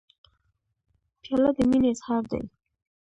پیاله د مینې اظهار دی.